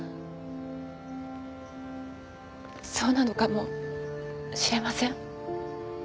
そうなのかもしれません。